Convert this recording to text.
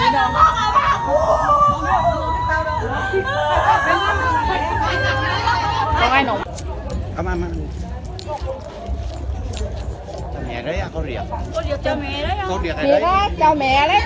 อ้าวอ้าวอ้าวอ้าวอ้าวอ้าวอ้าวอ้าวอ้าวอ้าวอ้าวอ้าว